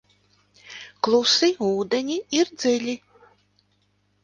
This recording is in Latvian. Klusi ūdeņi ir dziļi.